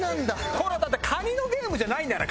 ほらだってカニのゲームじゃないんだから。